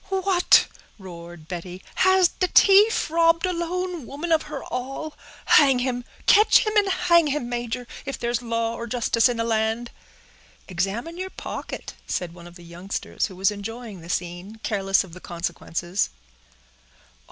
_" "What!" roared Betty, "has the t'ief robbed a lone woman of her all! Hang him—catch him and hang him, major; if there's law or justice in the land." "Examine your pocket," said one of the youngsters, who was enjoying the scene, careless of the consequences.